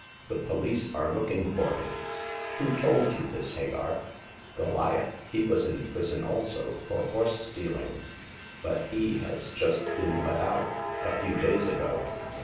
The police are looking iox h\m " The Passing of Hagar. 285 "Who told you this, Hagar ?"" GoUath. He was in prison also, for horse stealing ; but he has just been let out— a few days ago.